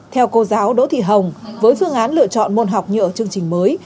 theo cô giáo đỗ thị hồng với phương án lựa chọn môn học như ở chương trình mới